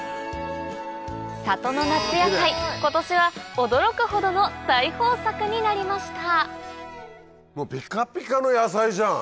里の夏野菜今年は驚くほどの大豊作になりましたじゃん！